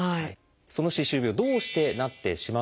その歯周病どうしてなってしまうのか？